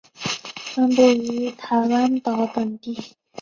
分布于台湾岛等地。